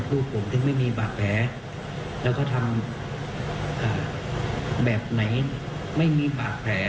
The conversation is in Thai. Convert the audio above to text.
ลูกผมถึงไม่มีบาดแผลแล้วก็ทำแบบไหนไม่มีบาดแผล